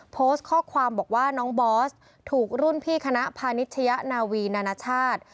โพสต์ข้อความบอกว่าน้องบอสถูกรุ่นพี่คณะพานิชยะนาวีนานาชาติ